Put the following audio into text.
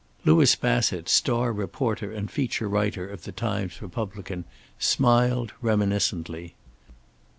Louis Bassett, star reporter and feature writer of the Times Republican, smiled reminiscently.